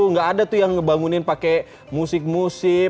nggak ada tuh yang ngebangunin pakai musik musik